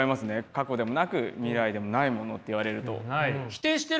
過去でもなく未来でもないものって言われると。